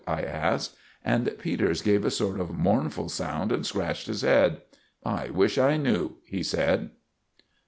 I asked; and Peters gave a sort of mournful sound and scratched his head. "I wish I knew," he said.